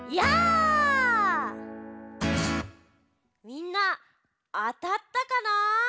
みんなあたったかな？